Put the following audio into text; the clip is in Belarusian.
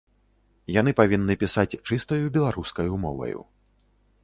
Яны павінны пісаць чыстаю беларускаю моваю.